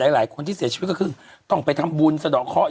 หลายคนที่เสียชีวิตก็คือต้องไปทำบุญสะดอกเคาะ